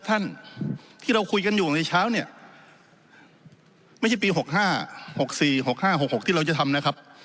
หกสี่หกห้าหกหกที่เราจะทำนะครับ